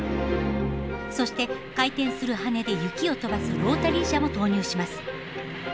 そして回転する羽根で雪を飛ばすロータリー車を投入します。